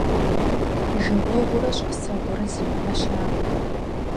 Жагъуэгъурэ щIасэгъурэ зимыIэ щыIэкъым.